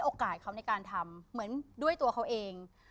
โอกาสเขาในการทำเหมือนด้วยตัวเขาเอง